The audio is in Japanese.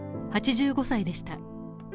８５歳でした。